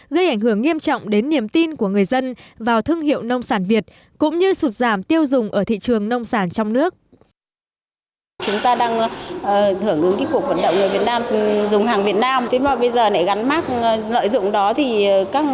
gây ảnh hưởng nghiêm trọng đến niềm tin của người dân vào thương hiệu nông sản việt cũng như sụt giảm tiêu dùng ở thị trường nông sản trong nước